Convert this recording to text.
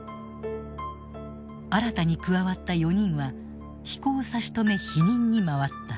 新たに加わった４人は飛行差し止め否認に回った。